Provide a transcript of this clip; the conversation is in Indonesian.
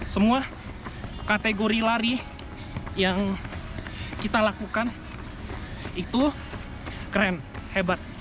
semua kategori lari yang kita lakukan itu keren hebat